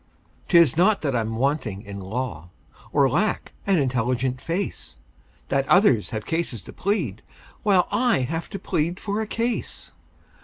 "'Tis not that I'm wanting in law, Or lack an intelligent face, That others have cases to plead, While I have to plead for a case.